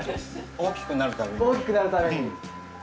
大きくなるために。